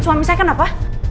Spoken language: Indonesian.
suami saya kenapa